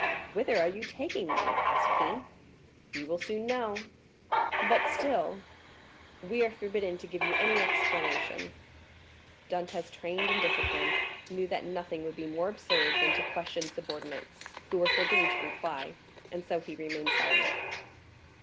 "Whither are you taking me?" asked he. "You will soon know." "But still——" "We are forbidden to give you any explanation." Dantès, trained in discipline, knew that nothing would be more absurd than to question subordinates, who were forbidden to reply; and so he remained silent.